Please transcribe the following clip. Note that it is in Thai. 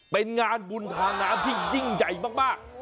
เป็นงานบุญทางน้ำที่ยิ่งใหญ่มาก